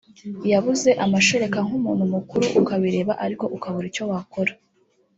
yabuze amashereka nk’umuntu mukuru ukabireba ariko ukabura icyo wakora